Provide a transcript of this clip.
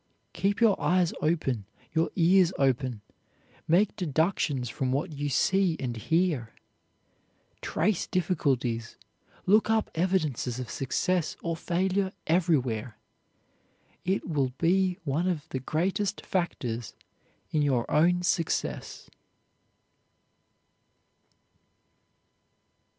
Keep your eyes open, your ears open. Make deductions from what you see and hear. Trace difficulties; look up evidences of success or failure everywhere. It will be one of the greatest factors in your own success.